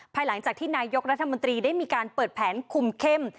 ภายหลังจากที่นายกรัฐมนตรีได้มีการเปิดแผนคุมเข้ม